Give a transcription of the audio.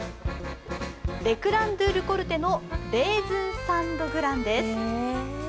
レクラン・ドゥ・ルコルテのレーズンサンドグランです。